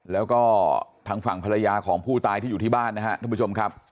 แล้วก็ทางฝั่งภรรยาของผู้ตายที่อยู่ที่บ้านนะครับท่านผู้ชมครับ